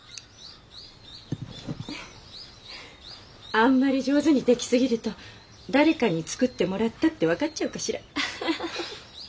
あんまり上手に出来過ぎると誰かに作ってもらったって分かっちゃうかしら。